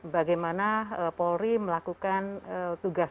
bagaimana polri melakukan tugasnya